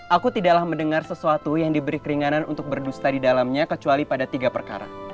aku tidaklah mendengar sesuatu yang diberi keringanan untuk berdusta di dalamnya kecuali pada tiga perkara